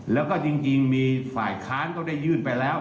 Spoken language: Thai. แล้วก็จริงมีฝ่ายค้านก็ได้ยื่นไปแล้ว